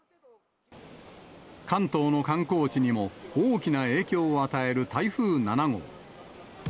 関東の観光地にも大きな影響を与える台風７号。